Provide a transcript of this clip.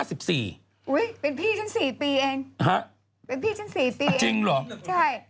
อุ๊ยเป็นพี่ชั้น๔ปีเองเป็นพี่ชั้น๔ปีเองใช่จริงเหรอ